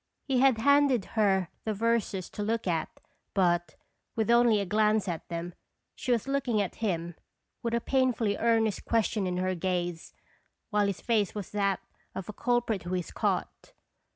He had handed her the verses to look at, but, with only a glance at them, she was looking at him with a painfully earnest question in her gaze, while his face was that of a culprit who is caught.